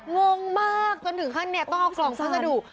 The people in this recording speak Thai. งงมากจนถึง๕นี่ต้องเอากล่องซ่าสดุ